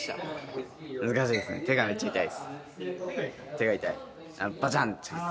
手が痛い。